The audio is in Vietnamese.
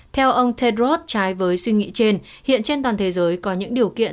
theo ông tedros trái với suy nghĩ trên hiện trên toàn thế giới có những điều kiện